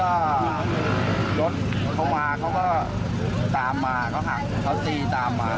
แล้วก็เขามาเขาก็ตามมาเขาหังเขาสี่ตามมา